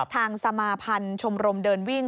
ทางสมาภัณฑ์ชมรมเดินวิ่ง